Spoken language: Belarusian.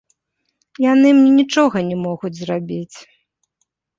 Яны мне нічога не могуць зрабіць.